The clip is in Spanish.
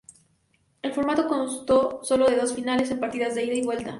El formato constó solo de dos finales, en partidos de ida y vuelta.